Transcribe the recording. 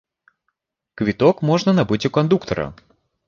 Квіток можна набыць у кандуктара.